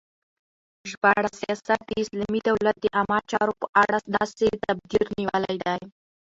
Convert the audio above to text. ژباړه : سیاست د اسلامی دولت د عامه چارو په اړه داسی تدبیر نیول دی